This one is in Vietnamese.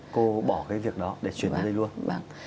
cô bỏ cái việc đó để chuyển tới đây luôn